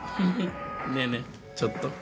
ねえねえちょっと。